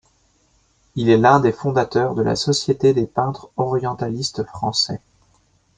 Il est l'un des fondateurs de la Société des peintres orientalistes français.